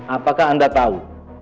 apakah anda tahu